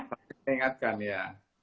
saling mengingatkan ya